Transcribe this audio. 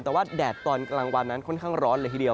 แต่ว่าแดดตอนกลางวันนั้นค่อนข้างร้อนเลยทีเดียว